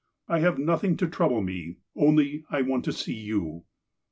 I have nothing to trouble me,' only want to see you.